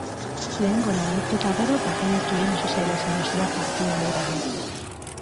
Lehen gola lortu eta gero bagenekien oso zaila izango zela partida hura galtzea.